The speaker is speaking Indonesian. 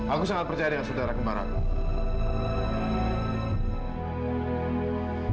aku sangat percaya dengan saudara kembaran